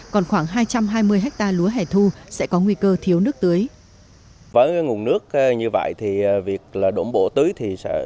còn khoảng hai trăm hai mươi hectare lúa hẻ thu sẽ có nguy cơ thiếu nước tưới